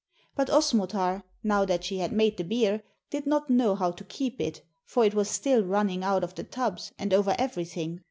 But Osmotar, now that she had made the beer, did not know how to keep it, for it was still running out of the tubs and over everything.